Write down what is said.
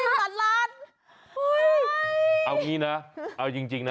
เอาอย่างงี้นะเอาจริงนะ